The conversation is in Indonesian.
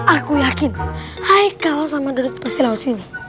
aku yakin haikal sama duduk pasti lawat sini